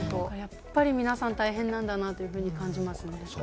皆さん大変なんだなと感じますね。